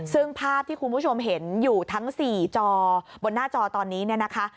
ซึ่งภาพที่คุณผู้ชมเห็นอยู่ทั้ง๔จอบนหน้าจอตอนนี้เนี่ยนะคะ